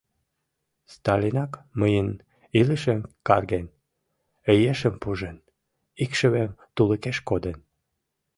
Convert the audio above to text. Сталинак мыйын илышем карген, ешым пужен, икшывем тулыкеш коден.